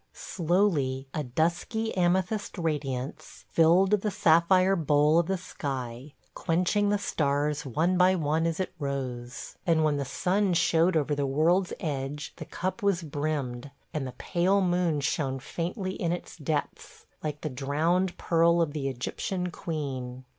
Slowly a dusky amethyst radiance filled the sapphire bowl of the sky, quenching the stars one by one as it rose, and when the sun showed over the world's edge the cup was brimmed, and the pale moon shone faintly in its depths, like the drowned pearl of the Egyptian queen.